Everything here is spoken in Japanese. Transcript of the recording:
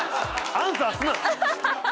アンサーすなよ！